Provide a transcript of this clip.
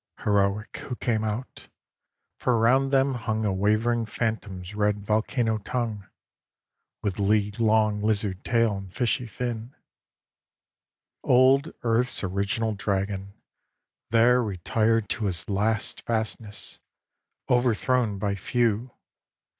Heroic who came out; for round them hung A wavering phantom's red volcano tongue, With league long lizard tail and fishy fin: II Old Earth's original Dragon; there retired To his last fastness; overthrown by few.